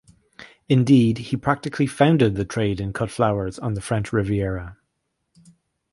Indeed he practically founded the trade in cut flowers on the French Riviera.